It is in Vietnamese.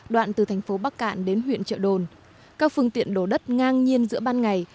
đoạn từ thành phố bắc cạn đến huyện trợ đồn các phương tiện đổ đất ngang nhiên giữa ban ngày